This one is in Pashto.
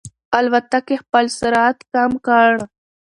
الوتکې خپل سرعت کم کړ.